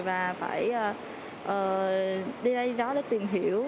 và phải đi ra đó để tìm hiểu